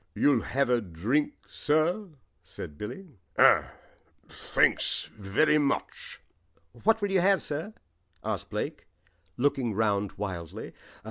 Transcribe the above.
"You'll have a drink, sir?" said Billy. "Oh, thanks very much." "What will you have, sir?" asked Blake, looking round wildly.